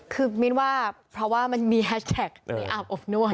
คือมินว่าเพราะว่ามันมีแฮชแท็กในอาบอบนวด